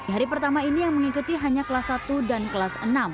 hari pertama ini yang mengikuti hanya kelas satu dan kelas enam